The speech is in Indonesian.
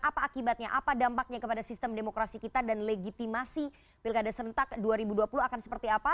apa akibatnya apa dampaknya kepada sistem demokrasi kita dan legitimasi pilkada serentak dua ribu dua puluh akan seperti apa